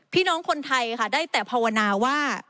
พี่น้องคนไทยค่ะได้แต่ภาวนาว่า